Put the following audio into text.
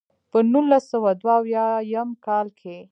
پۀ نولس سوه دوه اويا يم کال کښې